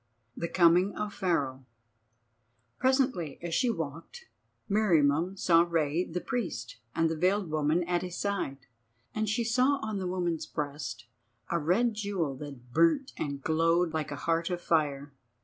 THE COMING OF PHARAOH Presently, as she walked, Meriamun saw Rei the Priest and the veiled woman at his side, and she saw on the woman's breast a red jewel that burnt and glowed like a heart of fire.